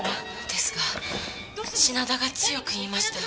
ですが品田が強く言いました。